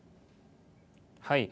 はい。